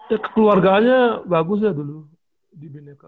ya kekeluargaannya bagus ya dulu di bineka